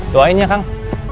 doain ya kang